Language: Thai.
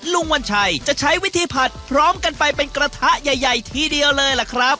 วัญชัยจะใช้วิธีผัดพร้อมกันไปเป็นกระทะใหญ่ทีเดียวเลยล่ะครับ